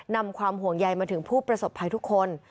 นำความห่วงใยมาถึงผู้ประสบภัยทุกคน